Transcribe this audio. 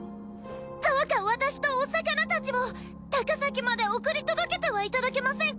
どうか私とお魚たちを高崎まで送り届けてはいただけマセンカ？